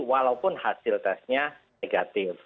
walaupun hasil testnya negatif